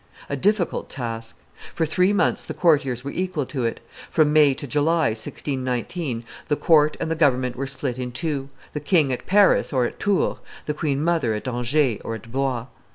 A difficult task. For three months the courtiers were equal to it; from May to July, 1619, the court and the government were split in two; the king at Paris or at Tours, the queen mother at Angers or at Blois.